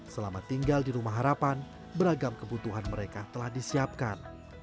selama tinggal di rumah harapan beragam kebutuhan mereka telah disiapkan